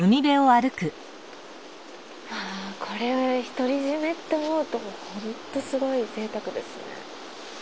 あこれを独り占めって思うとホントすごいぜいたくですね。